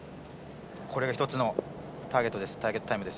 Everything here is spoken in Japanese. これが１つのターゲットタイムです。